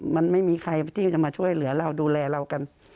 มันไม่มีใครที่จะมาช่วยเหลือเราดูแลเรากัน